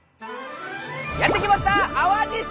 やって来ました淡路島！